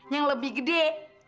yang lebih gede